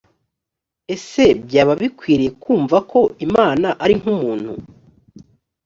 ese byaba bikwiriye kumva ko imana ari nkumuntu?